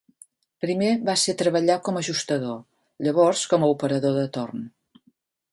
Primer va ser treballar com ajustador, llavors com a operador de torn.